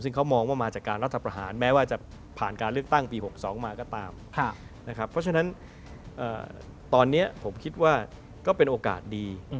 ซึ่งเขามองว่ามาจากการรัฐประหารแม้ว่าจะผ่านการเลือกตั้งปี๖๒มาก็ตามนะครับเพราะฉะนั้นตอนนี้ผมคิดว่าก็เป็นโอกาสดี